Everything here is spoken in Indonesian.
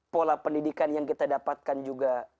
pola pendidikan yang kita dapatkan juga